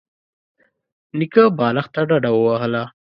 نيکه بالښت ته ډډه ووهله.